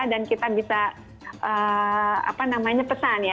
dan kita bisa apa namanya pesan ya